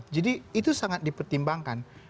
jadi itu sangat dipertimbangkan